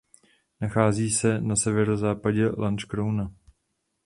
Nachází se na severozápadě Lanškrouna.